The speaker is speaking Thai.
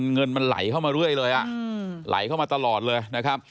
เงินมันไหลเข้ามาเรื่อยเลยไหลเข้ามาตลอดเลยนะครับ